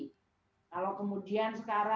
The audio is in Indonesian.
sehingga transformasi digital sekolah bisa terjadi